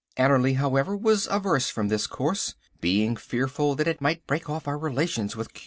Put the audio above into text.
Annerly, however, was averse from this course, being fearful that it might break off our relations with Q.